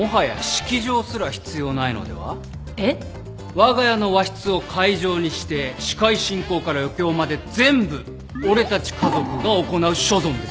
わが家の和室を会場にして司会進行から余興まで全部俺たち家族が行う所存です。